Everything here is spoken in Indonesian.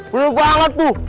bener banget tuh